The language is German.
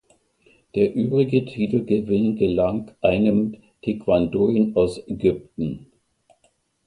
Der übrige Titelgewinn gelang einem Taekwondoin aus Ägypten.